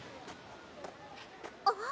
あっ。